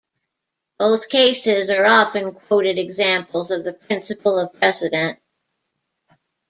Both cases are often quoted examples of the principle of precedent.